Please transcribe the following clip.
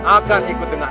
akan ikut denganku